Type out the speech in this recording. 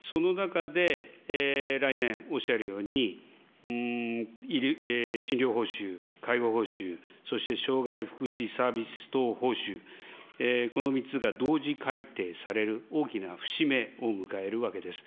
その中で、来年、おっしゃるように、診療報酬、介護報酬、そして障害福祉サービス等報酬、この３つが同時改定される、大きな節目を迎えるわけです。